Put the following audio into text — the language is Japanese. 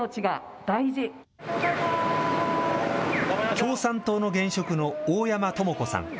共産党の現職の大山とも子さん。